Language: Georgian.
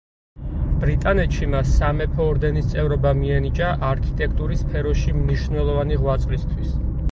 ბრიტანეთში მას სამეფო ორდენის წევრობა მიენიჭა არქიტექტურის სფეროში მნიშვნელოვანი ღვაწლისთვის.